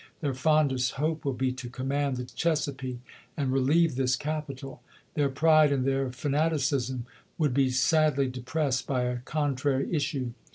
Theh fondest hope will be to command the Chesapeake and relieve this capital. Their pride and their fanaticism would be sadly depressed by a contrary issue.